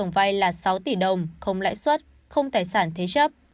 tổng vay là sáu tỷ đồng không lãi suất không tài sản thế chấp